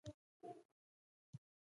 د خوړو د تېرېدو په مهال پوزې سوری بندېږي.